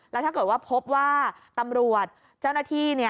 แล้วถ้าเกิดว่าพบว่าตำรวจเจ้าหน้าที่